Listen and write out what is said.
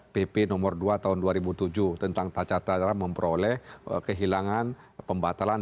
pp nomor dua tahun dua ribu tujuh tentang taca tata cara memperoleh kehilangan pembatalan